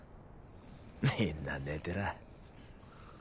みんな寝てら。